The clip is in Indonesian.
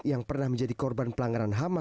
yang pernah menjadi korban pelanggaran ham